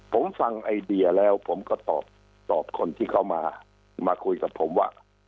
ผมฟังไอเดียแล้วผมก็ตอบคนที่เข้ามามาคุยกับผมว่า